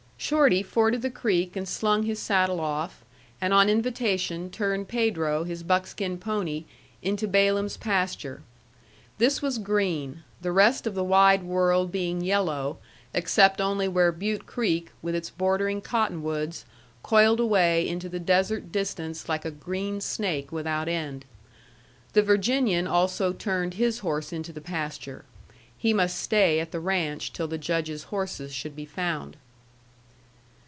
Shorty forded the creek and slung his saddle off, and on invitation turned Pedro, his buckskin pony, into Balaam's pasture. This was green, the rest of the wide world being yellow, except only where Butte Creek, with its bordering cottonwoods, coiled away into the desert distance like a green snake without end. The Virginian also turned his horse into the pasture. He must stay at the ranch till the Judge's horses should be found.